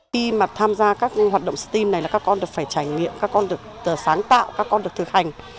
khi mà tham gia các hoạt động steam này là các con được phải trải nghiệm các con được sáng tạo các con được thực hành